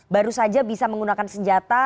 baru saja bisa menggunakan senjata